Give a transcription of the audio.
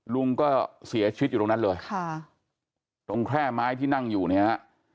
ลุงก็เสียชีวิตอยู่ตรงนั้นเลยค่ะตรงแคร่ไม้ที่นั่งอยู่เนี่ยฮะ